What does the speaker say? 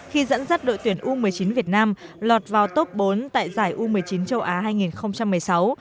khi dẫn dắt đội tuyển u một mươi chín việt nam lọt vào top bốn tại giải u một mươi chín châu á hai nghìn một mươi sáu